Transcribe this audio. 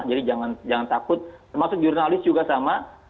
jadi jangan takut termasuk jurnalis juga sama